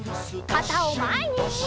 かたをまえに！